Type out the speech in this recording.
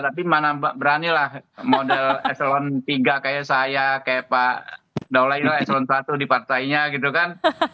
tapi mana berani lah model eselon tiga kayak saya kayak pak daulah ini lah eselon satu di partainya gitu kan